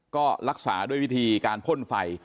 ก็รักษาด้วยวิธีการพ่นไฟ